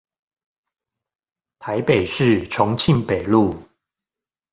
台北市重慶北路